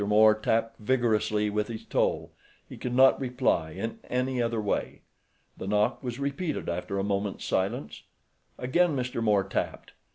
Moore tapped vigorously with his toe—he could not reply in any other way. The knock was repeated after a moment's silence. Again Mr. Moore tapped.